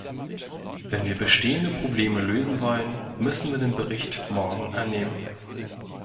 Wenn wir bestehende Probleme lösen wollen, müssen wir den Bericht morgen annehmen.